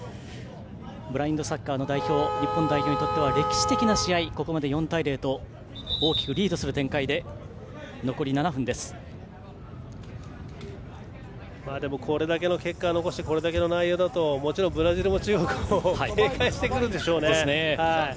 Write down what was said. ブラインドサッカーの日本代表にとって歴史的な試合、ここまで４対０と大きくリードする展開ででもこれだけの結果を残してこれだけの内容だとブラジルも中国も警戒してくるでしょうね。